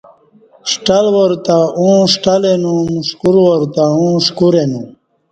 ݜٹل وارتہ اوں ݜٹل اینوم ݜکور وار تہ اوں شکور اینوم